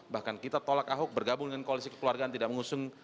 bahkan kita tolak ahok bergabung dengan koalisi kekeluargaan tidak mengusung